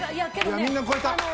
いやみんな超えた。